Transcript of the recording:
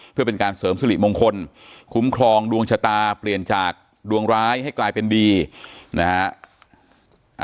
เพื่อเป็นการเสริมสุริมงคลคุ้มครองดวงชะตาเปลี่ยนจากดวงร้ายให้กลายเป็นดีนะฮะ